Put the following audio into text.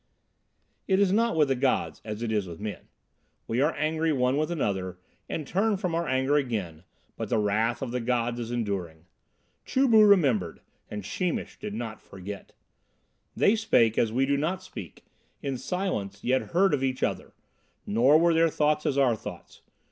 It is not with the gods as it is with men. We are angry one with another and turn from our anger again, but the wrath of the gods is enduring. Chu bu remembered and Sheemish did not forget. They spake as we do not speak, in silence yet heard of each other, nor were their thoughts as our thoughts.